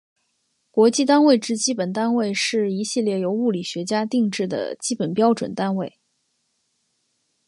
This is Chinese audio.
国际单位制基本单位是一系列由物理学家订定的基本标准单位。